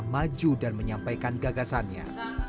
maju dan menyampaikan gagasannya